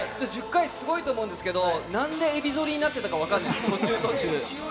１０回、すごいと思うんですが、何でえび反りになっていたかわからない。